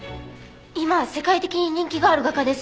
今世界的に人気がある画家です。